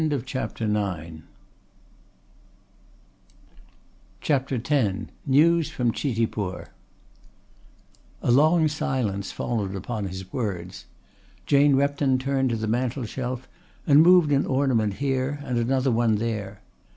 CHAPTER X NEWS FROM CHITIPUR A long silence followed upon his words. Jane Repton turned to the mantelshelf and moved an ornament here and another one there.